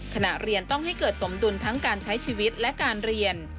ขณะเรียนต้องให้เกิดสมดุลทั้งการใช้ชีวิตและการเรียน